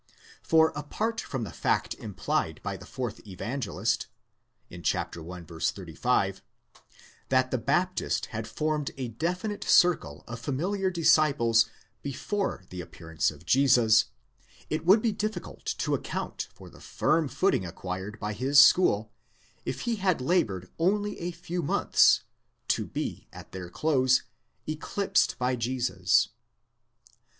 For, apart from the fact implied by the fourth Evangelist (i. 35), that the Baptist had formed a definite circle of familiar disciples before the appearance of Jesus, it would be difficult to account for the firm footing acquired by his. school, if he had laboured only a few months, to be, at their close, eclipsed by Jesus.